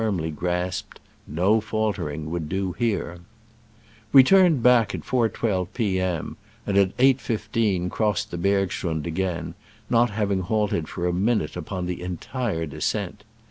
rmly grasped — no faltering would do here. We turned back at 4.12 p. m., and at 8.15 crossed the bergschrund again, not having halted for a minute upon the en tire descent.